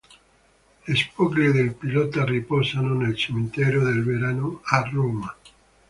Le spoglie del pilota riposano nel cimitero del Verano, a Roma.